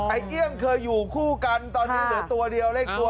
เอี้ยงเคยอยู่คู่กันตอนนี้เหลือตัวเดียวเลขตัว